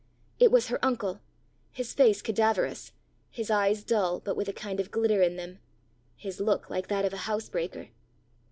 It was her uncle; his face cadaverous; his eyes dull, but with a kind of glitter in them; his look like that of a housebreaker.